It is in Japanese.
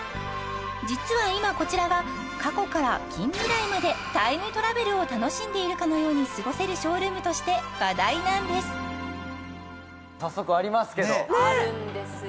実は今こちらが過去から近未来までタイムトラベルを楽しんでいるかのように過ごせるショールームとして話題なんです早速ありますけどあるんですよ